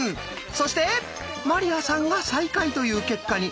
そして鞠杏さんが最下位という結果に。